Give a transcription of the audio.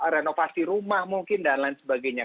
renovasi rumah mungkin dan lain sebagainya